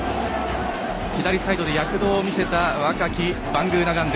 左サイドで躍動を見せた若きバングーナガンデ。